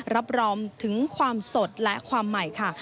รับรองถึงความสดและความใหม่ค่ะ